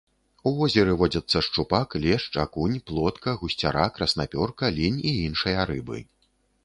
У возеры водзяцца шчупак, лешч, акунь, плотка, гусцяра, краснапёрка, лінь і іншыя рыбы.